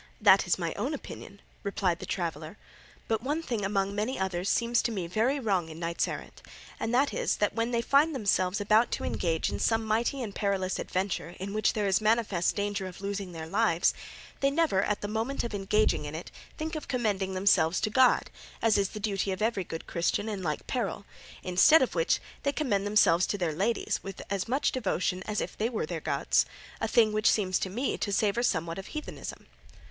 "That is my own opinion," replied the traveller; "but one thing among many others seems to me very wrong in knights errant, and that is that when they find themselves about to engage in some mighty and perilous adventure in which there is manifest danger of losing their lives, they never at the moment of engaging in it think of commending themselves to God, as is the duty of every good Christian in like peril; instead of which they commend themselves to their ladies with as much devotion as if these were their gods, a thing which seems to me to savour somewhat of heathenism."